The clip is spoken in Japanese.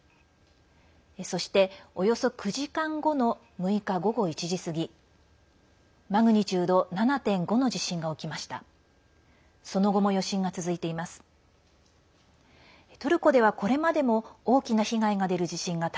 そして、およそ９時間後の６日午後１時過ぎマグニチュード７．５の地震が起きました。